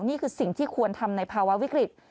นี่คือสิ่งที่ควรทำในภาวะวิกฤต